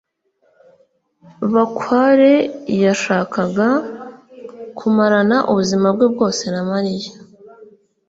bakware yashakaga kumarana ubuzima bwe bwose na mariya